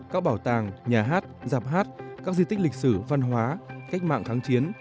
các bảo tàng nhà hát giạp hát các di tích lịch sử văn hóa cách mạng tháng chiến